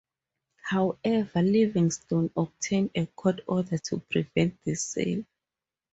However, Livingstone obtained a court order to prevent the sale.